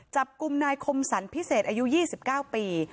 จับกลุ่มนายคมสรรพิเศษอายุ๒๙ปี